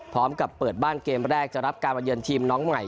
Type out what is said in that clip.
พร้อมกับเปิดบ้านเกมแรกจะรับการบรรเยินทีมน้องใหม่